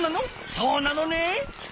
そうなのね？